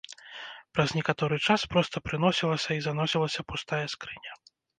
Праз некаторы час проста прыносілася і заносілася пустая скрыня.